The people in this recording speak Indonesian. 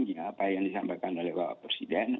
sangat penting ya apa yang disampaikan oleh bapak presiden